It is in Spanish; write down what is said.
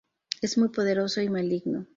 Es muy poderoso y maligno.